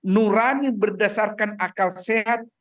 nurani berdasarkan akal sehat